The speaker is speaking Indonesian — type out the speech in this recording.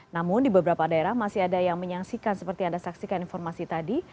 namun di beberapa daerah masih ada yang menyaksikan seperti yang anda saksikan informasi tadi